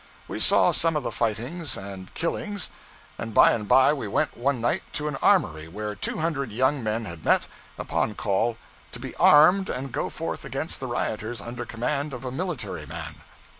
We saw some of the fightings and killings; and by and by we went one night to an armory where two hundred young men had met, upon call, to be armed and go forth against the rioters, under command of a military man.